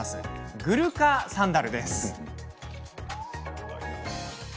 グルカサンダルです。